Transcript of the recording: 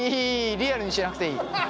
リアルにしなくていい。